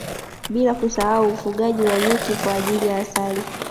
Bila kusahau ufugaji wa nyuki kwa ajili ya asali